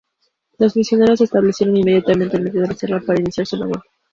Los misioneros se establecieron inmediatamente en medio de la selva para iniciar su labor.